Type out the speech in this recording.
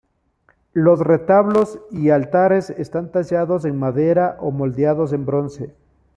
Los retablos y altares están tallados en madera o moldeados en bronce.